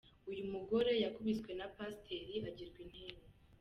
Uyu mugore yakubiswe na pasiteri agirwa intere.